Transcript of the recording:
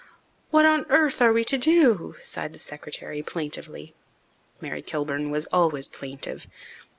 "What on earth are we to do?" sighed the secretary plaintively. Mary Kilburn was always plaintive.